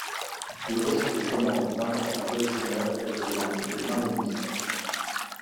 Il reçut des commandes d’importants collectionneurs tel que le marquis de Marigny.